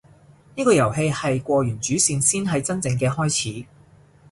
呢個遊戲係過完主線先係真正嘅開始